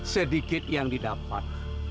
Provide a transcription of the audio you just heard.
sedikit yang didapat